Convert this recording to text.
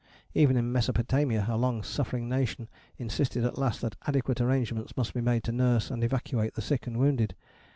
Even in Mesopotamia a long suffering nation insisted at last that adequate arrangements must be made to nurse and evacuate the sick and wounded.